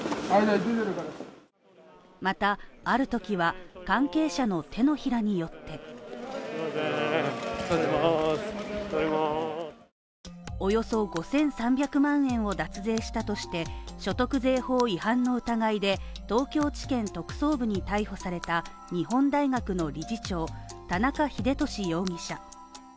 またあるときは関係者の手のひらによっておよそ５３００万円を脱税したとして所得税法違反の疑いで東京地検特捜部に逮捕された、日本大学の理事長、田中英寿容疑者。